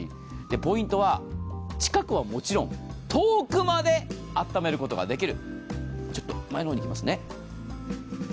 ポイントは、近くはもちろん、遠くまであっためることができる。